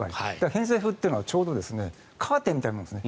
偏西風というのはちょうどカーテンのようなものです。